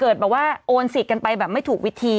แบบว่าโอนสิทธิ์กันไปแบบไม่ถูกวิธี